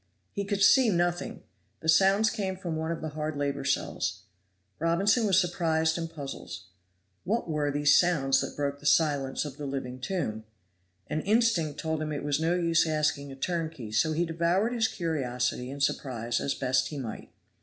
He could see nothing; the sounds came from one of the hard labor cells. Robinson was surprised and puzzled. What were these sounds that broke the silence of the living tomb? An instinct told him it was no use asking a turnkey, so he devoured his curiosity and surprise as best he might.